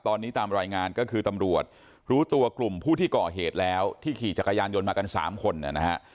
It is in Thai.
ตอนนี้ตามรายงานก็คือตำรวจรู้ตัวกลุ่มผู้ที่ก่อเหตุแล้วที่ขี่จักรยานยนต์มากันสามคนนะฮะ